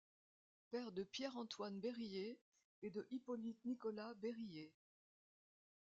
Père de Pierre-Antoine Berryer et de Hippolyte-Nicolas Berryer.